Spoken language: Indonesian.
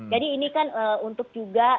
jadi ini kan untuk juga